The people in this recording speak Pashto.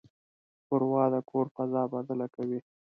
ښوروا د کور فضا بدله کوي.